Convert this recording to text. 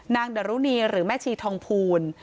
ดรุณีหรือแม่ชีทองภูล